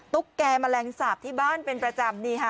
ตุ๊กแก่แมลงสาปที่บ้านเป็นประจำนี่ค่ะ